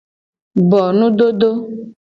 Bo nudodo.